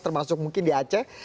termasuk mungkin di aceh